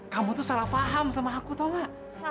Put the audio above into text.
kamu salah paham sama aku tau gak